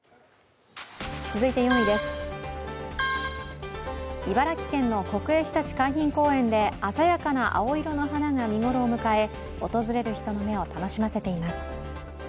続いて４位です、茨城県の国営ひたち海浜公園で鮮やかな青色の花が見頃を迎え訪れる人の目を楽しませています。